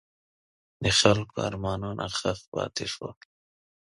د خلکو ارمانونه ښخ پاتې شول.